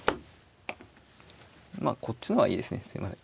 こっちの方がいいですねすいません。